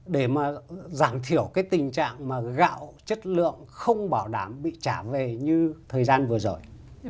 để mà giảm thiểu cái tình trạng mà gạo chất lượng không bảo đảm bị trả về như thời gian vừa rồi